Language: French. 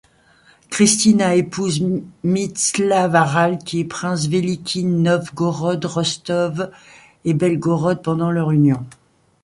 Christina épouse Mstislav-Harald, qui est prince Veliky Novgorod, Rostov, et Belgorod pendant leur union.